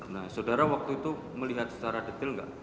nah sudara waktu itu melihat secara detail gak